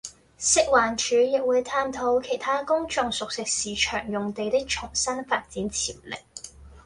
食環署亦會探討其他公眾熟食市場用地的重新發展潛力